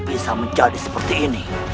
bisa menjadi seperti ini